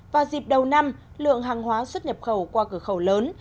vào dịp đầu năm lượng hàng hóa xuất nhập khẩu qua cửa khẩu lớn